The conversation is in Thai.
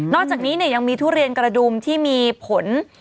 อกจากนี้ยังมีทุเรียนกระดุมที่มีผล